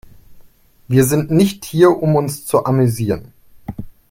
Wir sind nicht hier, um uns zu amüsieren.